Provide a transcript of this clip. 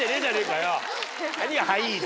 何が「はい」だ。